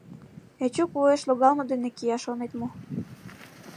Эчук вуеш логалме дене кия, шонет мо?